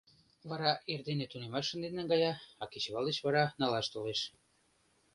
Вара эрдене тунемаш шынден наҥгая, а кечывал деч вара налаш толеш.